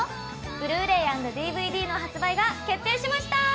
Ｂｌｕ−ｒａｙ＆ＤＶＤの発売が決定しました！